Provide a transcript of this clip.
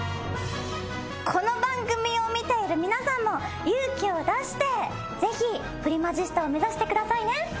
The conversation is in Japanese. この番組を見ている皆さんも勇気を出してぜひプリマジスタを目指してくださいね。